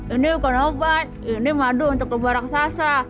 ini bukan obat ini madu untuk lebah raksasa